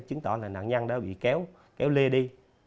chứng tỏ là nạn nhân đã bị kéo kéo lê đi